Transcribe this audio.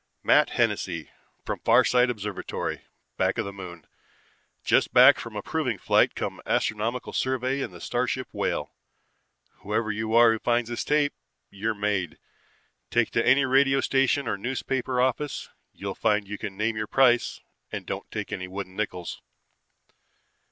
Matt Hennessy, from Farside Observatory, back of the Moon, just back from a proving flight cum astronomical survey in the starship Whale. Whoever you are who finds this tape, you're made. Take it to any radio station or newspaper office. You'll find you can name your price and don't take any wooden nickels.